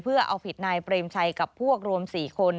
เพื่อเอาผิดนายเปรมชัยกับพวกรวม๔คน